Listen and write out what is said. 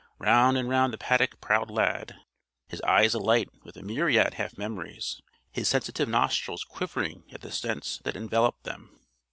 Round and round the paddock prowled Lad; his eyes alight with a myriad half memories; his sensitive nostrils quivering at the scents that enveloped them.